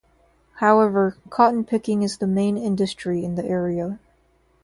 However, cotton picking is the main industry in the area.